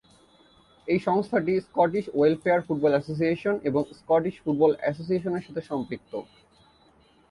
এই সংস্থাটি Scottish welfare football association এবং স্কটিশ ফুটবল অ্যাসোসিয়েশনের সাথে সম্পৃক্ত।